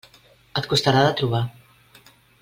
Et costarà de trobar.